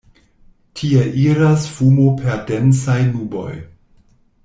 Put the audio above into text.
Tie iras fumo per densaj nuboj.